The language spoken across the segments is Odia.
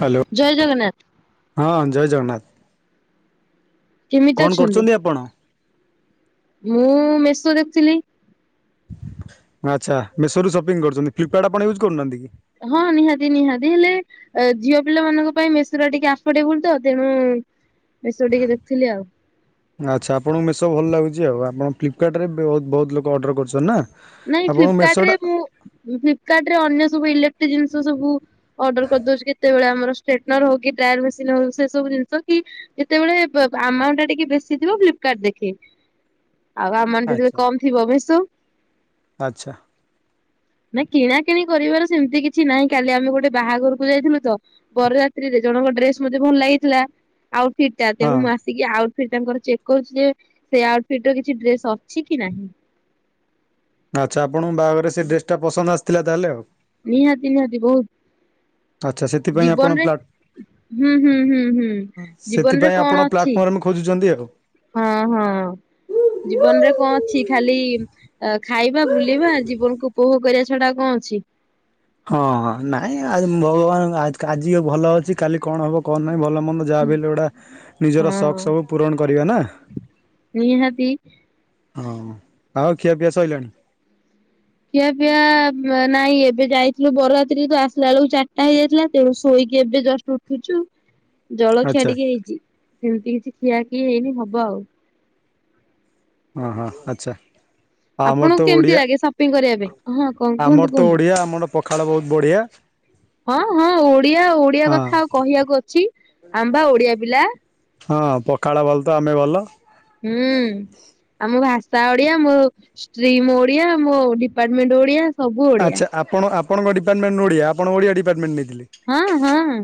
ହାଲୋ ଜୟ ଜଗନ୍ନାଥ ହଁ ଜୟ ଜଗନ୍ନାଥ। କେମିତି କଣ ଅଛନ୍ତି? କରୁଚନ୍ତି ଆପଣ? ମୁଁ ମେଶୋ ଦେଖୁଥିଲି। ଆଚ୍ଛା ମେସୋ ରୁ ସପିଂ କରୁଛନ୍ତି ଫ୍ଲିପକାର୍ଟ ଆପଣ ୟୁଜ୍ କରୁନାହାନ୍ତି କି? ହଁ ନିହାତି ନିହାତି ହେଲେ ଝିଅ ପିଲା ମାନଙ୍କ ପାଇଁ ମେସୋଟା ଟିକେ ଆଫୋର୍ଡେବୁଲ ତ ତେଣୁ ମେସୋ ଟିକେ ଦେଖିଥିଲି ଆଉ। ଆଚ୍ଛା ଆପଣଙ୍କୁ ମେସୋ ଭଲ ଲାଗୁଛି ଆଉ ଆପଣ ଫ୍ଲିପକାର୍ଟରେ ବହୁତ ବହୁତ ଲୋକ ଅର୍ଡର କରୁଛନ୍ତି ନା। ନାଇଁ ଆପଣଙ୍କୁ ଫ୍ଲିପକାର୍ଟ ରେ ମେସୋଟା ମୁଁ ଫ୍ପକାର୍ଟ ରେ ଅନ୍ୟ ସବୁ ଇଲେକ୍ଟ୍ରିକ ଜିନିଷ ସବୁ ଅର୍ଡର କରିଦଉଛି କେତେବେଳେ ଆମର ଷ୍ଟେଟନର ହଉ କି ଡ୍ରୟର ମେସିନ ହଉ ସେ ସବୁ ଜିନିଷ କି ଯେତେବେଳେ ଆମାଉଣ୍ଟ ଟା ଟିକେ ବେଶୀ ଥିବ ଫ୍ଲିପ୍ କାଟ ଦେଖେ। ହ ଆଉ ଆମର ଯେତେବେଳେ କମ୍ ଥିବ ମେସୋ। ଆଚ୍ଛା। ନା କିଣା କିିଣି କରିବାର ସେମିତି କିଛି ନାହିଁ କାଲି ଆମେ ଗୋଟେ ବାହାଘରକୁ ଯାଇଥିଲୁ ତ ବରଯାତ୍ରୀ ଜଣଙ୍କ ଡ୍ରେସ୍ ମତେ ଭଲ ଲାଗିଥିଲା ଆଉ ଫିଟଟା ହଁ ତେଣୁ ମୁଁ ଆସିକି ଆଉ ସେ ତାଙ୍କର ଚେକ୍ କରୁଛି ଯେ ସେ ଆଉଟ ଫିଟ୍ର କିଛି ଡ୍ରେସ ଅଛି କି ନାହିଁ। ଆଚ୍ଛା ଆପଣଙ୍କ ବାହାଘର ସେ ଡ୍ରେସ ଟା ପସନ୍ଦ ଆସିଥିଲା ତାହେଲେ ଆଉ। ନିହାତି ନିହାତି ବହୁତ। ଆଚ୍ଛା ସେଥିପାଇଁ ଆପଣ ଜୀବନରେ ପ୍ଲା ହୁଁ ହୁଁ ହୁଁ ହୁଁ ଜୀବନରେ କଣ ଅଛି? ଆମେ ଖୋଜୁଛନ୍ତି ଏହାକୁ। ହଁ ହଁ ଜୀବନ ରେ କଣ ଅଛି ଖାଲି ଆ ଖାଇବା ବୁଲିବା ଜୀବନକୁ ଉପୋଭଗ କରିବା ଛଡା ଆଉ କଣ ଅଛି? ହଁ ହଁ ନାଇଁ ଆ ଭଗବାନ ଆଜି ଭଲ ଅଛି କାଲି କଣ ହବ କଣ ନାଇଁ ଭଲ ମନ୍ଦ ଯାହା ବି ହେଲେ ଗୋଟା ନିଜର ହଁ ଶକ ସବୁ ପୂରଣ କରିବେ ନା। ନିହାତି। ହଁ ଆଉ ଖିଆପିଆ ସରଇଲାଣି। ଖିଆ ପିଆ ନାଇଁ ଏବେ ଯାଇଥିଲୁ ବରଯାତ୍ରୀ ତ ଆସିଲା ବେଳକୁ ଚାରିଟା ହେଇଯାଇଥିଲା ତେଣୁ ଶୋଇ କି ଏବେ ଜଶ ଉଠୁଚୁ। ଜଳଖିଆ ଆଚ୍ଛା ଟିକେ ହେଇଚି ସେମିତି କିଛି ଖିଆ କିି ହେଇନି ହବ ଆଉ। ହଁ ହଁ ଆଚ୍ଛା। ଆମର ଆପଣଙ୍କୁ ତ କେମିତି ଓଡିଆ ଲାଗେ ସପିଙ୍ଗ କରିବା ପାଇଁ ହଁ କଣ କୁହନ୍ତୁ ଆମର ତ କୁହନ୍ତୁ ଓଡିଆ ଆମର ପଖାଳ ବହୁତ ବଢିଆ। ହଁ ହଁ ଓଡ଼ିଆ ଓଡ଼ିଆ ହଁ କଥା ଆଉ କହିବାକୁ ଅଛି ଆମେ ପା ଓଡ଼ିଆ ପିଲା। ହଁ ପଖାଳ ଭଲ ତ ଆମେ ଭଲ। ହୁଁ। ଆମ ଭାଷା ଓଡ଼ିଅ ମୋ ଷ୍ଟ୍ରିମ ଓଡିଆ ମୋ ଡିପାର୍ଟମେଣ୍ଟ ଓଡ଼ିଆ। ଆଚ୍ଛା ଆପଣ ଆପଣଙ୍କ ଡିପାର୍ଟମେଣ୍ଟ ଓଡ଼ିଆ ଆଣଙ୍କ ଓଡ଼ିଆ ଡିପାର୍ଟମେଣ୍ଟ ନେଇ ହଁ ହଁ।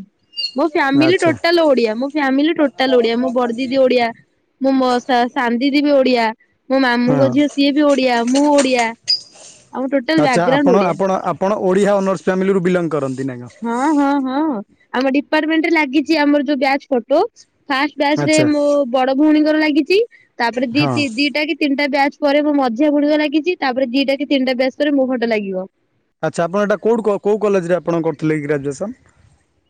ମୋ ଫ୍ୟାମିଲି ଆଚ୍ଛା ଟୋଟାଲ ଓଡ଼ିଆ ମୋ ଫ୍ୟାମିଲି ଟୋଟାଲ ଓଡ଼ିଆ ମୋ ବଡ଼ ଦିଦି ଓଡ଼ିଆ ମୁଁ ମୋ ସା ସାନଦିଦି ବି ଓ ମୋ ହଁ। ମାମୁଁଙ୍କ ଝିଅ ସିଏ ବି ଓଡ଼ିଆ ମୁଁ ଓଡ଼ିଆ। ଆମ ଟୋଟାଲ ଆଚ୍ଛା ଆପଣ ବ୍ୟାକଗ୍ରାଉଣ୍ଡ ଓଡ଼ିଆ। ଆପଣ ଆପଣ ଓଡ଼ିଆ ଅନର୍ସ ଫ୍ୟାମିଲିରୁ ବିଲଙ୍ଗ କରନ୍ତି ନା କଣ? ହଁ ହଁ ହଁ ଆମ ଡିପାର୍ଟମେଣ୍ଟରେ ଲାଗିଛି ଆମର ଯୋଉ ବ୍ୟାଚ୍ ଫଟୋ ଫାଷ୍ଟ ବ୍ୟାଚ ରେ ଆଚ୍ଛା ମୋ ବଡ଼ ଭଉଣୀଙ୍କର ଲାଗିଛି ତାପରେ ହଁ ଦି ଦିଟା କି ତିନିଟା ବ୍ୟାଚ ପରେ ମୋ ମଝିଆ ଭଉଣିବା ଲାଗିଛି ତାପରେ ଦିଟା କି ତିନିଟା ବ୍ୟାଚ ପରେ ମୋ ଫଟୋ ଲାଗିବ। ଆଚ୍ଛା ଆପଣ ଏଇଟା କୋଉଠୁ କୋଉ କଲେଜରେ ଆପଣ କରିଥିଲେ କି ଗ୍ରାଜୁଏସନ?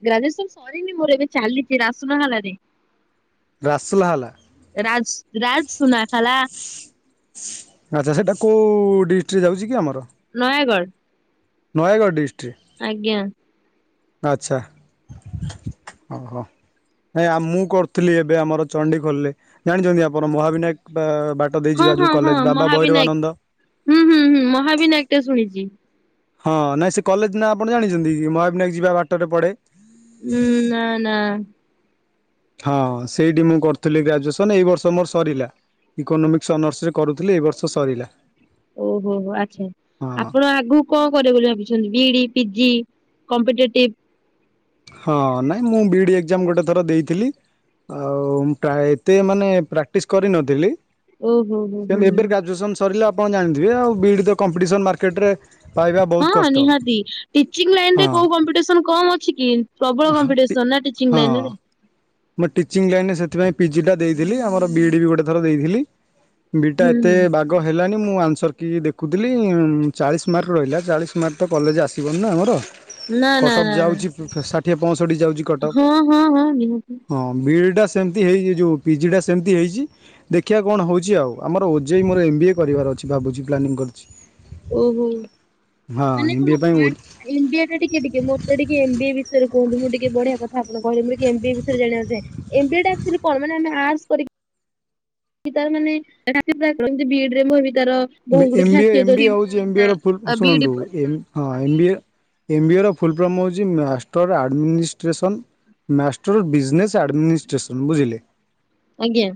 ଗ୍ରାଜୁଏସନ ସରିନି ମୋର ଏବେ ଚାଲିଛି ରାସୁନା ହଲାରେ ରାସଲାହେଲା ରାଜ ରାଜ ସୁନା ଖଲା। ଆଚ୍ଛା ସେଇଟା କୋଉ ଡିଷ୍ଟ୍ରିକରେ ଯାଉଛି କି ଆମର? ନୟାଗଡ଼। ନୟାଗଡ଼ ଡିଷ୍ଟ୍ରିକ। ଆଜ୍ଞା। ଆଚ୍ଛା ଓହୋ। ନାଇଁ ମୁଁ କରିଥିଲି ଏବେ ଆମର ଚଣ୍ଡି ଖୋଲରେ ଜାଣିଛନ୍ତି ଆପଣ ମହାବିନାୟକ ବା ବାଟ ଦେଇ ହଁ ଯିବା ଯୋଉ ହଁ ହଁ କଲେଜ ବାବା ଭୈରବାନନ୍ଦ ମହାବିନାୟକ ହୁଁ ହୁଁ ହୁଁ ମହାବିନାୟକ ଟା ଶୁଣିଚି। ହଁ ନାଇଁ ସେ କଲେଜ ନା ଆପଣ ଜାଣିଛନ୍ତି କି ମହାବନାୟକ ଯିବା ବାଟରେ ପଡ଼େ। ହୁଁ ନାଁ ନାଁ। ହଁ ସେଇଠି ମୁଁ କରୁଥିଲି ଗ୍ରାଜୁଏସନ ଏଇ ବର୍ଷ ମୋର ସରିଲା। ଇକୋନୋମିକ୍ସ ଅନର୍ସ ରେ କରୁଥିଲେ ଏ ବର୍ଷ ସରିଲା। ଓହୋ ହୋ ଆଚ୍ଛା ହଁ ଆପଣ ଆଗକୁ କଣ କରିବେ ବୋଲି ଭାବିଛନ୍ତି? B E D, PG competitive ହଁ ନାଇଁ ମୁଁ ବିଡି ଏକ୍ଜାମ ଗୋଟେ ଥର ଦେଇଥିଲି। ଆଉ ମୁ ଏତେ ମାନେ ପ୍ରାକ୍ଟିସ କରିନଥିଲି ଓହୋ ହୋ ସେ ହୁଁ ଏବେ ଗ୍ରାଜୁଏସନ ସରିଲେ ଆପଣ ଜାଣିଥିବେ ଆଉ ବି ଇ ଡି କମ୍ପିଟିସନ ମାର୍କେଟରେ। ପାଇବା ବହୁତ ହଁ କଷ୍ଟ ନିହାତି ଟିଚିଙ୍ଗ ହଁ ଲାଇନରେ କୋଉ କମ୍ପିଟିସନ କମ ଅଛି କି ପ୍ରବଳ କମ୍ପିତିସନ୍ ନାଁ ଟିଚିଙ୍ଗ ଲାଇନ ରେ। ମୋ ଟିଚିଂ ଲାଇନ ରେ ସେଥିପାଇଁ ପିଜିଟା ଦେଇଥିଲି ଆମର ବିଇଡି ବି ଗୋଟେ ଥର ଦେଇଥିଲି। ବିଇଡି ଟା ହୁଁ ଏତେ ହୁଁ ବାଗ ହେଲାନି ମୁଁ ଆନ୍ସର କି ଦେଖୁଥିଲି ଚାଳିଶ ମାର୍କ ରହିଲା ଚାଳିଶ ମାର୍କ ତ କଲେଜ ଆସିବନି ନା ଆମର। ନା ନା କଟଅଫ୍ ନା ନା। ଯାଉଛି ଷାଠିଏ ପଞ୍ଚଷଠି ଯାଉଛି କଟ ଅଫ୍ ହଁ ହଁ ହଁ ନିହାତି ହଁ ବି ଇ ଡି ଟା ସେମିତି ହେଇ ଯେଉଁ ପିଜିଟା ସେମିତି ହେଇଚି ଦେଖିବା କଣ ହଉଚି ଆଉ ଆମର ଓଜେଇ ମୋର ଏମ୍ ବି ଏ କରିବାର ଅଛି ବା ଭାବୁଚି ପ୍ଲାନିଂ କରିଚି। ଓହୋ ମାନେ ଏମ୍ ବି କଣ ଏ ପାଇଁ ଆର୍ଟସ୍ ଇଣ୍ଡିଆ ଟା ଟିକେ ଟିକେ ମୋତ ଟିକେ ଏମ ବି ଏ ଟିକେ ବିଷୟ କୁହନ୍ତୁ ମୁଁ ଟିକେ ବଢ଼ିଆ କଥ ଆପଣ କହିଲେ ମୁ ଟିକେ ଏମ ବି ଏ ବିଷୟରେ ଜାଣିବାକୁ ଚାହେଁ ଏମ ବି ଏ ତ ଏକଚୁଲି କଣ ମାନେ ଅର୍ଟସ କରିକି ତାର ମାନେ ରା ବିରେ [unintelligible] ଯେମିତି ବି ଏଡ ରେ ମୁଁ ବି ତାର ବହୁ ଗୁଡିଏ ଏମ ବି ଏ ଖାସିୟତ ଏମ ବି ଅଛି ଏ ହଉଚି ଏମ ବି ଏ ର ଫୁଲଫର୍ମ ବି ଇ ଡି ଶୁଣନ୍ତୁ ହୁଁ ଏମ ବି ଏ ହଉଛି ଏମ ବି ଏ ର ଫୁଲଫର୍ମ ହଉଚି master administration master business administration ବୁଝିଲେ। ଆଜ୍ଞା।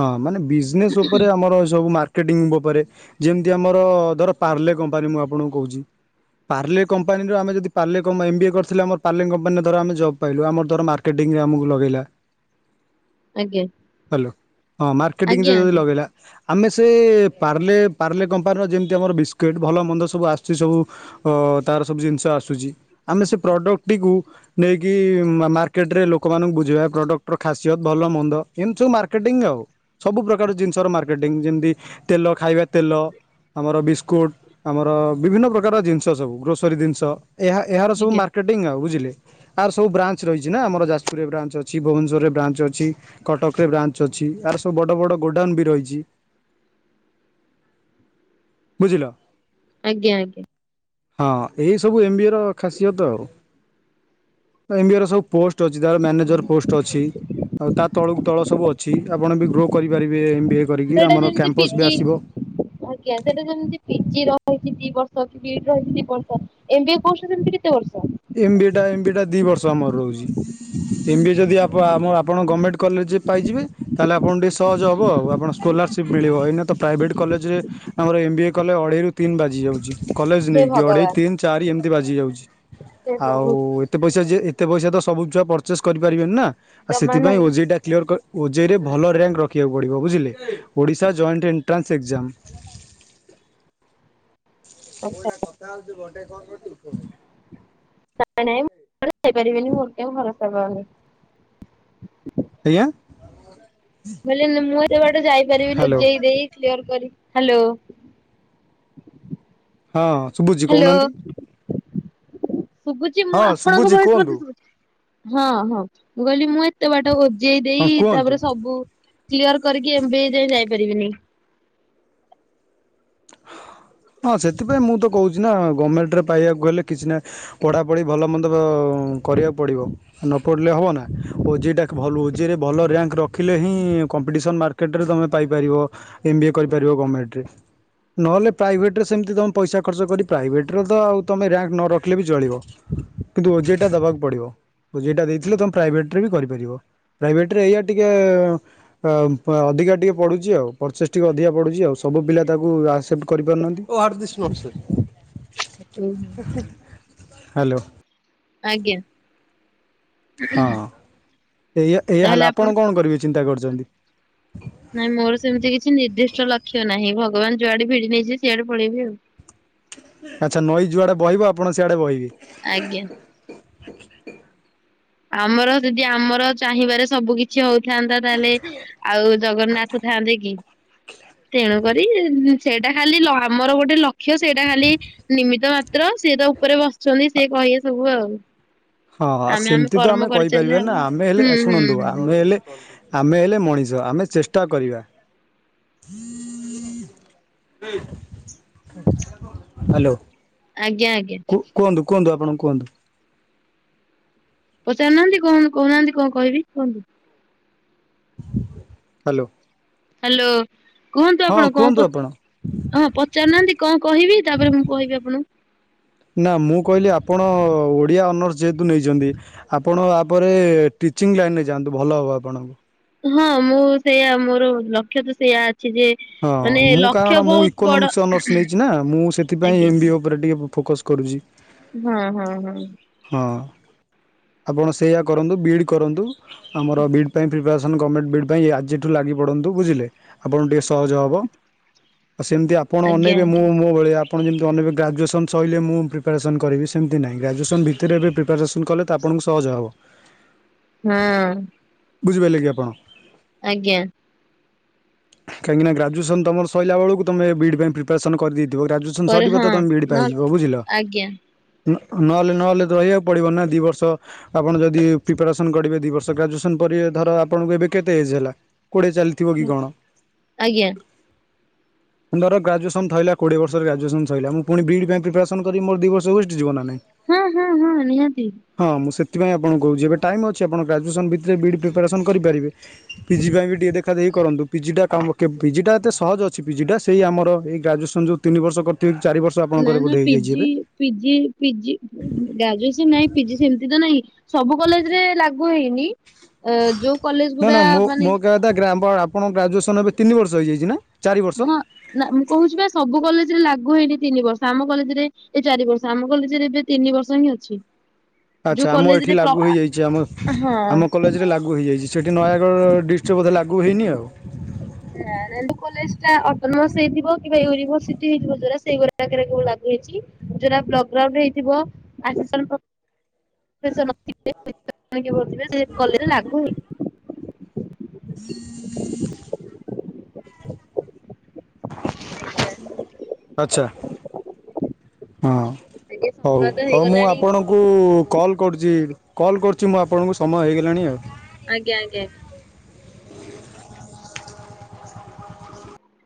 ହଁ ମାନେ ବିଜନେସ୍ ଉପରେ ଆମର ଏ ସବୁ ମାର କେଣ୍ଡିଙ୍ଗ ଉପରେ ଯେମିତି ଆମର ଧର ପାର୍ଲେ କମ୍ପାନୀ ମୁଁ ଆପଣଙ୍କୁ କହୁଚି ପାର୍ଲେ କମ୍ପାନୀରୁ ଆମେ ଯଦି ପାର୍ଲେ କମ୍ ଏମ ବି ଏ କରିଥିଲେ ଧର ଆମ ପାର୍ଲେ କମ୍ପାନ ରେ ଧର ଜବ ପାଇଲୁ ଆମର ଧର ମାର୍କଟିଙ୍ଗ ଆମକୁ ଲଗେଇଲା। ଆଜ୍ଞା। ହ ମାର୍କେଟିଙ୍ଗ ରେ ଆଜ୍ଞା ଯଉ ଲଗେଇ ଲା ଆମେ ସେ ପାର୍ଲେ ପାର୍ଲେ କମ୍ପାନୀର ଯେମିତି ଆମର ବିସ୍କୁିଟ୍ ଭଲ ମନ୍ଦ ସବୁ ଆସୁଚି ସବୁ ଅ ତାର ସବୁ ଜିନିଷ ଆସୁଚି ଆମେ ସେଇ ପ୍ରଡକ୍ଟଟିକୁ ନେଇକି ମାର୍କେଟରେ ଲୋକମାନଙ୍କର ବୁଝେଇବା ପ୍ରଡକ୍ଟ ର ଖାସିୟତ ଭଲ ମନ୍ଦ ଏମତି ସବୁ ମାର୍କେଟିଂ ଆଉ। ସବୁ ପ୍ରକାର ଜିନିଷର ମାର୍କେଟିଂ ଯେମିତି ତେଲ ଖାଇବା ତେଲ ଆମର ବିସ୍କୁଟ ଆମର ବିଭିନ୍ନ ପ୍ରକାର ଜିନିଷ ସବୁ ଗ୍ରୋସରୀ ଜିନିଷ। ଏହା ଏହାର ସବୁ ଆଜ୍ଞା ମାର୍କେଟିଂ ଆଉ ବୁଝିଲେ। ଆର୍ ସବୁ ବ୍ରାଞ୍ଚ ରହିଚି ନା ଆମର ଯାଜପୁରରେ ବ୍ରାଞ୍ଚ ଅଛି ଭୁବନେଶ୍ୱରରେ ବ୍ରାଞ୍ଚ ଅଛି କଟକରେ ବ୍ରାଞ୍ଚ ଅଛି। ଆର ସବୁ ବଡ଼ ବଡ଼ ଗୋଡାଉନ୍ ବି ରହୁଚି। ବୁଝିଲ? ଆଜ୍ଞା ଆଜ୍ଞା। ହଁ ଏଇ ସବୁ ଏମ ବି ଏ ର ଖାସିୟତ ଆଉ। ଏମ ବି ଏ ର ସବୁ ପୋଷ୍ଟ ଅଛି ତାର ମ୍ୟାନେଜର ପୋଷ୍ଟ ଅଛି ଆଉ ତା ତଳକୁ ତଳ ସବୁ ଅଛି। ଠିକ୍ ଆପଣ ବି ଗ୍ରୋ କରିପାରିବେବ କରିକି ସେଇଟା ଆମର ଯେମିତି କ୍ୟାମ୍ପସ୍ ବି ପିଜି ଆସିବ। ଆଜ୍ଞା ସେଟା ସେମିତି ପିଜି ର ରହିଚି ଦି ବର୍ଷ ବିଡି ରହିଚି ଦି ବର୍ଷ ଏମ୍ବିଏ କୋର୍ସ ର ସେମିତି କିଛି M B A M B ଏ ଟା ଦି ବର୍ଷ ଆମର ରହୁଚି। ଏମ ବି ଏ ଯଦି ଆମ ଆପଣ ଗଭର୍ଣ୍ଣମେଣ୍ଟ କଲେଜ ପାଇଯିବେ ତାହେଲେ ଆପଣ ଟିକେ ସହଜ ହବ ଆଉ ଆପଣ ସ୍କଲାରସିପ୍ ମିଳିବ ନା ତ ପ୍ରାଇଭେଟ୍ କଲେଜରେ ଆମର ଏମ୍ ବି ଏ କଲେ ଅଢ଼େଇରୁ ତିନି ବାଜିଯାଉଛି। କଲେଜ ହେ ନେଇକି ଅଢ଼େଇ ଭଗବାନ ତିନି ଚାରି ଏମିତି ବାଜି ଯାଉଚି ହେ ପ୍ରଭୁ ଆଉ ଏତେ ଇସା ଯେ ଏତେ ପଇସ ସବୁ ଛୁଆ ପର୍ଚେଜ କରି ପାରିବେନି ନା ଆଉ ଜମା ସେଥିପାଇଁ ନାହିଁ ଓଜେଇ ଟା କ୍ଲିୟର କ୍ ଓଜେଇରେ ଭଲ ରର୍ୟାଙ୍କ୍ ରଖିବାକୁ ପଡ଼ିବ ବୁଝିଲେ ଓଡ଼ିଶା ଜଏଣ୍ଟ ଏଣ୍ଟ୍ରାନ୍ସ ଏକ୍ଜାମ। ଆଚ୍ଛା କୋଉଟା କଥା ହଉଛିୁ ଗୋଟେ କଣ କରୁଛି ଉଠୁଉନି। ଯାଇପାରିବନି। ମୋର କାଇଁ ଭରସା ପାଉନି। ଆଜ୍ଞା। ବୋଲି ମୁଁ ଏତେ ବାଟ ଯାଇପାରିବିନି ହ୍ୟାଲୋ। ଓଜେଇ ଦେଇ କ୍ଲିୟର କରି ହାଲୋ। ହଁ ସୁଭୁଚି କହୁନାହାନ୍ତି। ଶୁଭୁଚି ମୁଁ ହଁ ଆପଣଙ୍କ ଶୁଭୁଛି ଭଏସ କୁହନ୍ତୁ ମତେ ଶୁଭୁଛି ହଁ ହଁ ମୁଁ କହିଲି ମୁଁ ଏ ଏତେ ବାଟ ଓଜେଇ ହଁ ଦେଇ କୁହନ୍ତୁ। ତାପରେ ସବୁ କ୍ଲିୟର କରିକି ଏ ଏମ୍ବିଏ ଯାଏ ଯାଇପାରିବିନି। [inaudible] ହଁ ସେଥିପାଇଁ ମୁଁ ତ କହୁଚି ନା ଗଭର୍ଣମେଣ୍ଟରେ ପାଇବାକୁ ହେଲେ କିଛି ନାହି ପଢାପଢି ଭଲ ମନ୍ଦ କରିବାକୁ ପଡ଼ିବ ନ ପଡ଼ିଲେ ହବ ନା ଓଜେଇ ଟାରେ ଭଲ ଓଜିରେ ଭଲ ରେୟର୍ଙ୍କ୍ ରଖିଲେ ହିଁ କମ୍ପିଟିସନ ମାର୍କେଟରେ ତମେ ପାଇପାରିବ ଏମ୍ ବି ଏ କରିପାରିବ ଗମେଣ୍ଟରେ। ନହେଲେ ପ୍ରାଇଭେଟରେ ସେମିତି ତୁମେ ପଇସା ଖର୍ଚ୍ଚ କରି ପ୍ରାଇଭେଟ୍ର ତ ଆଉ ତୁମେ ର୍ୟାଙ୍କ ନ ରଖିଲେ ବି ଚଳିବ। କିନ୍ତୁ ଓଜେଇ ଟା ଦବାକୁ ପଡିବ। ଓଜେଇ ଟା ଦେଇଥିଲେ ତମେ ପ୍ରାଇଭେଟରେ ବି କରିପାରିବ ପ୍ରାଇଭେଟରେ ଏଇଆ ଟିକେ ଅ ପା ଅ। ଅଧିକା ଟିକେ ପଡୁଚି ଆଉ ପରଚେସ ଟିକେ ଅଧିକା ପୁଡୁଛି ଆଉ ସବୁ ପିଲା ତାକୁ ଆସ୍ ସେପ୍ଟ କରି ପାରୁନାହାନ୍ତି। ଉଁ ହୁଁ। ହା ଲୋ। ଆଜ୍ଞା। ହଁ ଏଇୟା ଏଇୟା ହେଲା ଆପଣ କଣ କରିବେ ଚିନ୍ତା କରୁଛନ୍ତି? ନାଇଁ ମୋର ସେମିତି କିଛି ନିର୍ଦ୍ଦିଷ୍ଟ ଲକ୍ଷ୍ୟ ନାହିଁ ଭଗବାନ ଯୁଆଡେ ଭିଡି ନେଇଯିବେ ସିଆଡେ ପଳେଇବି ଆଉ। ଆଛା ନଈ ଯୁଆଡେ ବହିବ ଆପଣ ସିଆଡେ ବହିବେ। ଆଜ୍ଞା। ଆମର ଯଦି ଆମର ଚାହିଁବାରେ ସବୁ କିଛି ହଉ। ଥାନ୍ତା ତାହେଲେ ଆଉ ଜଗନ୍ନାଥ ଥାଆନ୍ତେ କି ତେଣୁ। କରି ସେଇଟା ଖାଲି ଲ ଆମର ଗୋଟେ ଲକ୍ଷ୍ୟ ସେଇଟା ଖାଲି ନିମିତ ମା ତ୍ର ସିଏ ତ ଉପରେ ବସିଛନ୍ତି ସିଏ କହିବେ ସବୁ ଆଉ। ହଁ ଆମେ ସେମିତି ତ କର୍ମ ଆମେ କରିଚାଲିଲେ କହିପାରିବାନି ହବ। ନା ଆମେ ହେଲେ ହୁଁ ହୁଁ ଶୁଣନ୍ତୁ ହୁଁ ଆମେ ହେଲେ। ଆମେ ହେଲେ ମଣିଷ ଆମେ ଚେଷ୍ଟା କରିବା। ହାଲୋ। ଆଜ୍ଞା ଆଜ୍ଞା। କୁହନ୍ତୁ ଆପଣଙ୍କୁ କୁହନ୍ତୁ। ପଚାରୁ ନାହାନ୍ତି କଣ କହୁ ନାହାନ୍ତି କଣ କହିବି କୁହନ୍ତୁ। ହାଲୋ। ହା ଲୋ। କୁହନ୍ତୁ ଆପଣ କଣ ପଚ୍ ଆପଣ ହଁ ପଚାରୁ ନାହାନ୍ତି କଣ କହିବି ତାପରେ ମୁଁ କହିବି ଆପଣଙ୍କୁ। ନା ମୁଁ କଇଲି ଆପଣ ଓଡିଆ ଅନର୍ସ ଯେହେତୁ ନେଇଛନ୍ତି ଆପଣ ଆପରେ ଟି ଟିଚିଂ ଲାଇନ ରେ ଯାଆନ୍ତୁ ଭଲ ହବ ଆପଣଙ୍କୁ। ହଁ ମୁଁ ସେଇୟା ମୋର ଲକ୍ଷ୍ୟ ତ ସେଇୟା ଅ ହଁ ମୁଁ କାରଣ ମୁଁ ବଡ ଇକୋନୋମିକ୍ସ ଅନର୍ସ ନେଇଛି ନା ମୁଁ ସେଥିପାଇଁ ଆଜ୍ଞା ଏମ ବ ଏ ଉପରେ ଟିକେ। ଫୋକସ୍ କରୁଛି। ହଁ ହଁ ହଁ। ହଁ ଆପଣ ସେଇଆ କରନ୍ତୁ ବିଡ଼୍ କରନ୍ତୁ ଆମର ବିଡ଼୍ ପାଇଁ ପ୍ରିପେଆର ଗମେଟ୍ ବିଡ୍ ପାଇଁ ଆଯିଠୁ ଲାଗି ପଡନ୍ତୁ ବୁଝିଲେ ଆପଣଙ୍କୁ ଟିକେ ସହଜ ହବ। ଆଉ ସେମିତି ଆପଣ ଆଜ୍ଞା ଅନେଇବେ ମୁଁ ଆଜ୍ଞା ମୋ ଭଳିଆ। ଆପଣ ଯେମିତି ଅନେଇବେ ଗ୍ରାଜୁଏସନ୍ ସଇଲେ ମୁଁ ପ୍ରିପାରେସନ୍ କରିବି ସେମିତି ନାହିଁ ଗ୍ରାଜୁଏସନ୍ ଭିତରେ ଏବେ ପ୍ରିପାରେସନ୍ କଲେ ତ ଆପଣ। ଙ୍କୁ ସହଜ ହବ। ହୁଁ। ବୁଝିପାରିଲେ କି ଆପଣ। ଆଜ୍ଞା। କାହିଁକିନା ଗ୍ରାଜଏସନ୍ ତମର ସଇଲା ବେଳକୁ ତମେ ବି ଡ୍ ପାଇଁ ପ୍ରିପାରେସନ୍ କରିଦେଇ। ଥୀବ ଗ୍ରାଜୁଏସନ କରେ ସରିବ ହଁ ତ ତମେ ବି ଇ ଡ଼ି ନ ପାଇଯିବ ବୁଝିଲ। ଆଜ୍ଞା। ନହେଲେ ନହେଲେ ରହିବାକୁ ପଡିବ ନା ଦି ବର୍ଷ ଆପଣ ଯଦି ପିପାରେସନ୍ କରିବେ ଦି ବର୍ଷ ଗ୍ରାଜୁଏସନ ପ ରେ ଧର ଆପଣଙ୍କୁ ଏବେ କେତେ ଏଜ ହେଲା କୋଡିଏ ଚାଲିଥିବ କି କଣ। ଆଜ୍ଞା। [inaudible] ମୁଁ ଧର ଗ୍ରାଜୁଏସନ୍ ଥିଇଲା କୋଡ଼ିଏ ବର୍ଷରେ ଗ୍ରାଜୁସନ ସଇଲା ମୁ ପୁଣି ବିଡ ପାଇଁ ପ୍ରିପାରେସନ କରିବି ମୋର ଦି ବର୍ଷ ୱେଷ୍ଟ ଯିବ ନାଁ ନାଇଁ। ହୁଁ ହୁଁ ହୁଁ ନିହାତି। ହଁ ମୁଁ ସେଥିପାଇଁ ଆପଣକୁ କହୁଛି ଏବେ ଟାଇମ୍ ଅଛି ଆପଣ ଗ୍ରାଜୁଏସନ୍ ଭିତରେ ବିଡ଼ି ପ୍ରିପାରେସନ୍ କରି ପାରିବେ ପିଜି ପାଇଁ ବି ଟିକେ ଦେଖ। ଦେଖା ଦେଖି କରନ୍ତୁ। ପିଜିଟା କାମ କେ ପିଜିଟା ଏତେ ସହଜ ଅଛି ପିଜିଟା ସେଇ ଆମର ଏଇ ଗ୍ରାଜୁଏସନ୍ ଯୋଉ ତିନି ବର୍ଷ କରିଥିବେ। ଚାରି ବର୍ଷ ନା ଆପଣଙ୍କର ନା ବୋଧେ ହେଇଯାଇଛି ପିଜି ଏବେ। ପିଜି ପିଜି ଗ୍ରାଜୁଏସନ ନାହିଁ ପିଜି ସେମତି ତ ନହିଁ। ସବୁ କଲେଜ ରେ ଲାଗୁ ହେଇନି ଯୋଉ କଲେଜ ନା ନା ଗୁରା ମୋ ମାନେ। ମୋ କହିବା କଥା ଗ୍ରା ଆପଣ ଗ୍ରାଜୁଏସନ୍ ଏବେ ତିନି ବର୍ଷ ହେଇଯାଇଛି ନା। ଚାରି ବର୍ଷ? ହଁ ନା ମୁଁ କହୁଛି ବା ସବୁ କଲେଜରେ ଲାଗୁ। ଗୁ ହେଇନି ତିନି ବର୍ଷ ଆମ କଲେଜରେ ଏ ଚାରି ବର୍ଷ ଆମ କଲେଜରେ ଏବେ ତିନି ବର୍ଷ ହିଁ ଅଛି। ଯୋଉ ଆଚ୍ଛା ଆମ କଲେଜରେ ଏଇଠି ପ୍ର ଲାଗୁ ହେଇଯାଇଛି ଆମ ହଁ ଆମ କଲେଜରେ ଲାଗୁ ହୋଇଇଯାଇଛି ସେଇଠି ନୟାଗଡ଼ ଡିଷ୍ଟ ବୋଧେ ଲାଗୁ ହୋଇଇନି ଆଉ। [unintelligible] ସେଇୁଡାରେ ଲାଗୁ ହେଇଛି ଯୋଉରା ବ୍ଲଗ ଗ୍ରାଉଣ୍ଡ ହେଇଥିବ। [unintelligible] ଲାଗୁ ହେଇଚି। [inaudible] ଆଚ୍ଛା। ଆଜ୍ଞା। ହଁ ଆଜ୍ଞା ହଉ ସମୟ ତ ହଉ ମୁଁ ହେଇଗଲାଣି ଆପଣଙ୍କୁ କଲ୍ କରୁଚି କଲ୍ କରୁଚି ମୁଁ ଆପଣଙ୍କୁ ସମୟ ହେଇଗଲାଣି ଆଉ। ଆଜ୍ଞା ଆଜ୍ଞା।